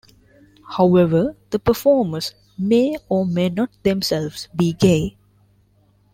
However, the performers may or may not themselves be gay.